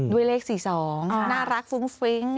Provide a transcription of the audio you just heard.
ด้วยเลข๔๒น่ารักฟุ้งฟิ้ง